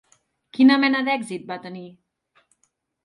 Quina mena d'èxit va tenir?